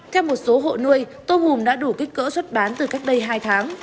theo một số hộ nuôi tôm hùm đã đủ kích cỡ xuất bán từ cách đây hai tháng